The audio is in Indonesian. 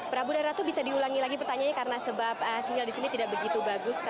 prabu dan ratu bisa diulangi lagi pertanyaannya karena sebab sinyal di sini tidak begitu bagus